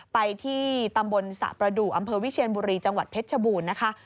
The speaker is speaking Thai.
ไปที่ตำบลสระประดูกอำเภอวิเชียนบุรีจังหวัดเพชรชบูรณ์นะคะ